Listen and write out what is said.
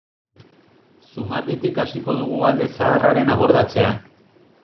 Zumarditik hasiko dugu alde zaharraren abordatzea.